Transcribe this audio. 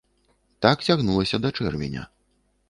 Так цягнулася да чэрвеня.